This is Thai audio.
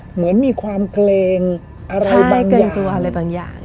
เหมือนมีความเกรงอะไรบางอย่าง